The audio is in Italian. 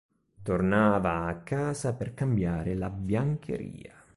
Tornava a casa per cambiare la biancheria.